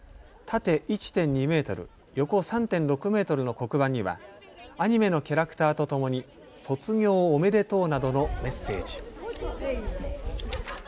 縦１．２メートル、横３．６メートルの黒板にはアニメのキャラクターとともに卒業おめでとうなどのメッセージ。